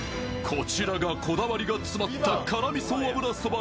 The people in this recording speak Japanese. こちらが、こだわりが詰まった辛味噌油そば